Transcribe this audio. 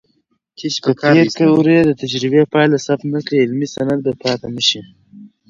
که پېیر کوري د تجربې پایله ثبت نه کړي، علمي سند به پاتې نشي.